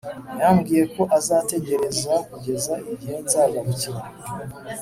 Yambwiye ko azategereza kugeza igihe nzagarukira